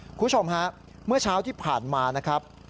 คุณผู้ชมฮะเมื่อเช้าที่ผ่านมานะครับ